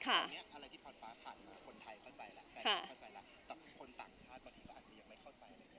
เข้าใจแล้วค่ะแต่คนต่างชาติบางทีก็อาจจะยังไม่เข้าใจเลย